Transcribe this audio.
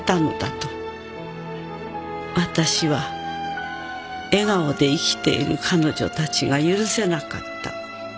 「私は笑顔で生きている彼女たちが許せなかった」